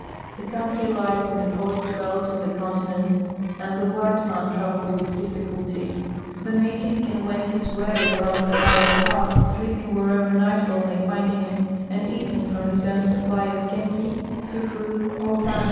The country lies in the forest belt of the continent, and the white man travels with difficult3^ The native can wend his way along the narrow path, sleeping wherever nightfall may find him, and eating from his own supply of kenke, fuful, or plantain.